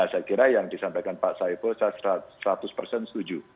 saya kira yang disampaikan pak saiful seratus setuju